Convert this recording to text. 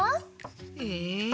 え？